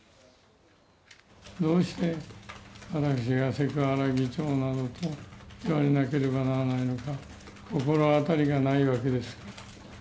どうして私がセクハラ議長などと言われなければならないのか、心当たりがないわけですから。